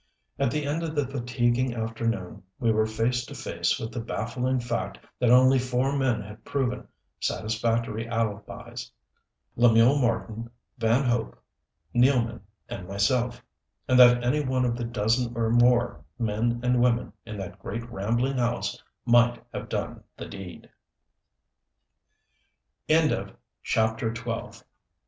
At the end of the fatiguing afternoon we were face to face with the baffling fact that only four men had proven satisfactory alibis Lemuel Marten, Van Hope, Nealman and myself and that any one of the dozen or more men and women in that great, rambling house might have done the deed. CHAPTER XIII Two telegrams